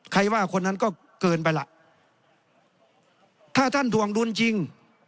ใครว่าคนนั้นก็เกินไปล่ะถ้าท่านถวงดุลจริง